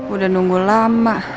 udah nunggu lama